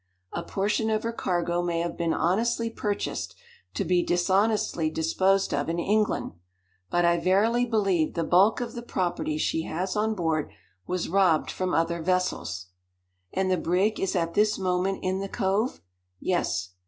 A portion of her cargo may have been honestly purchased, to be dishonestly disposed of in England; but I verily believe the bulk of the property she has on board was robbed from other vessels." "And the brig is at this moment in the cove?" "Yes."